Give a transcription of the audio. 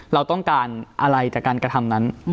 เราต้องการอะไรจากการกระทำนั้น